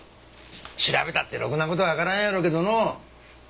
調べたってロクな事はわからんやろうけどのう。